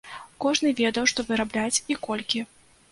Кожны ведаў, што вырабляць і колькі.